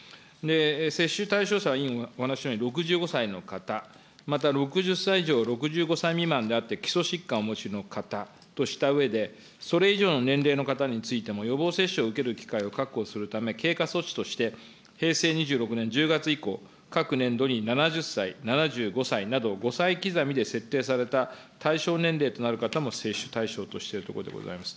接種対象者は、委員お話のように６５歳の方、また６０歳以上６５歳未満であって、基礎疾患お持ちの方としたうえで、それ以上の年齢の方については、予防接種を受ける機会を確保するため、経過措置として、平成２６年１０月以降、各年度に７０歳、７５歳など５歳刻みで設定された対象年齢となる方も接種対象としているところでございます。